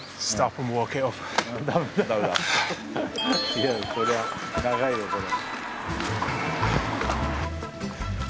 いやこりゃ長いよこれ。